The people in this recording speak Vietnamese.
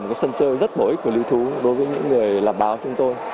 một cái sân chơi rất bổ ích và lưu thú đối với những người làm báo chúng tôi